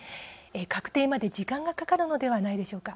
確定まで時間がかかるのではないでしょうか。